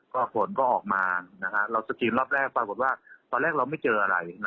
ก็ฝนก็ออกมาเราสกรีนรอบแรกปรากฏว่าตอนแรกเราไม่เจออะไร